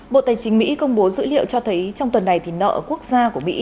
bộ tài chính mỹ công bố dữ liệu cho thấy trong tuần này thì nợ quốc gia của mỹ